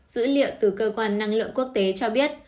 dữ liệu từ cơ quan năng lượng quốc tế cho biết